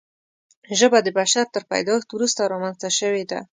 ژبه د بشر تر پیدایښت وروسته رامنځته شوې ده.